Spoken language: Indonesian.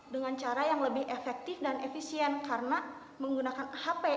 dengan cara yang lebih efektif dan efisien karena menggunakan hp